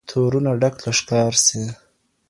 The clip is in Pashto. تورونه ډک له ښکار سي